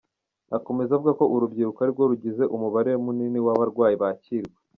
Akomeza avuga ko urubyiruko ari rwo rugize umubare munini w’abarwayi bakirwa.